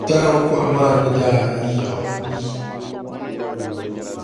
Kahiŋkɔɣu maa ni daa yiɣi yi.